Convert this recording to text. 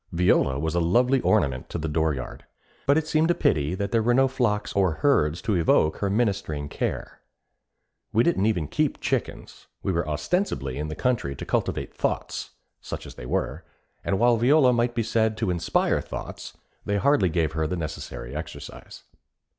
Viola was a lovely ornament to the dooryard; but it seemed a pity that there were no flocks or herds to evoke her ministering care. We didn't even keep chickens; we were ostensibly in the country to cultivate thoughts, such as they were, and while Viola might be said to inspire thoughts, they hardly gave her the necessary exercise.